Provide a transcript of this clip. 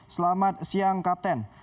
selamat siang kapten